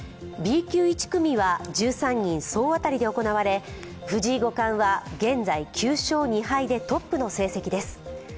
Ｂ級１組は、１３人総当たりで行われ藤井五冠は現在、９勝２敗でトップの成績です。